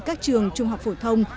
các trường trung học phổ thông